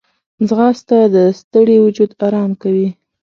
ځغاسته د ستړي وجود آرام کوي